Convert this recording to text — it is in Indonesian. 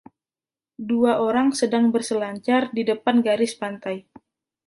Dua orang sedang berselancar di depan garis pantai.